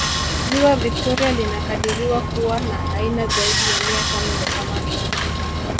Ziwa Victoria linakadiriwa kuwa na aina zaidi ya mia tano za samaki